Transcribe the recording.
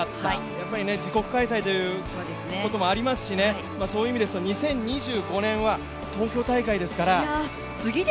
やっぱり自国開催ということもありますしそういう意味ですと２０２５年は東京大会ですから。